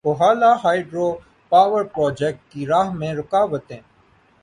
Kohala hydro power project کی راہ میں رکاوٹیں